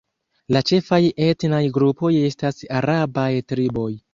La ĉefaj etnaj grupoj estas arabaj triboj.